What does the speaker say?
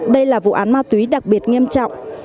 đây là vụ án ma túy đặc biệt nghiêm trọng